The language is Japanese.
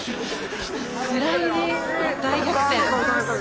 スライディング大逆転。